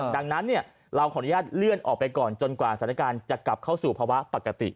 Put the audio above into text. ดังนั้นเราขออนุญาตเลื่อนออกไปก่อนจนกว่าสถานการณ์จะกลับเข้าสู่ภาวะปกติ